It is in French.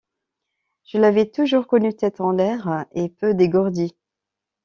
Je l’avais toujours connue tête en l’air et peu dégourdie.